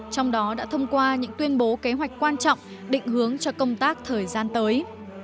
trong đó đã thông qua những tuyên bố kế hoạch quan trọng định hướng cho công tác thời gian tới